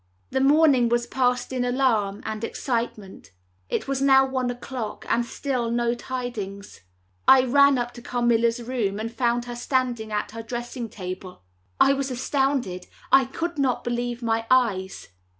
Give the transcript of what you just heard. The morning was passed in alarm and excitement. It was now one o'clock, and still no tidings. I ran up to Carmilla's room, and found her standing at her dressing table. I was astounded. I could not believe my eyes.